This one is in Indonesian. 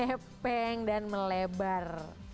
gepeng dan melebar